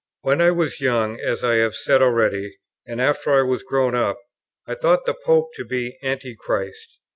When I was young, as I have said already, and after I was grown up, I thought the Pope to be Antichrist.